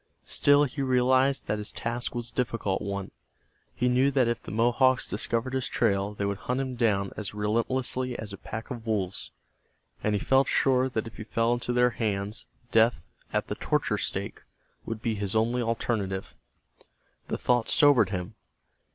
Still he realized that his task was a difficult one. He knew that if the Mohawks discovered his trail they would hunt him down as relentlessly as a pack of wolves, and he felt sure that if he fell into their hands death at the torture stake would be his only alternative. The thought sobered him.